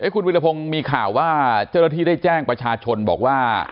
คุณวิรพงศ์มีข่าวว่าเจ้าหน้าที่ได้แจ้งประชาชนบอกว่า